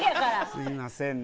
すいませんね。